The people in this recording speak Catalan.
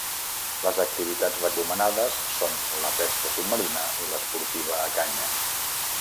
Les activitats recomanades són la pesca submarina i l'esportiva a canya.